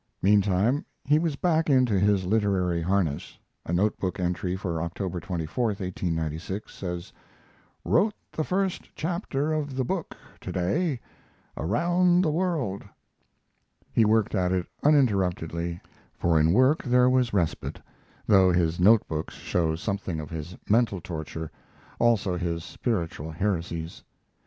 Meantime he was back into literary harness; a notebook entry for October 24, 1896, says: "Wrote the fist chapter of the book to day 'Around the World'." He worked at it uninterruptedly, for in work; there was respite, though his note books show something of his mental torture, also his spiritual heresies.